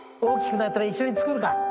大きくなったら一緒に作るか。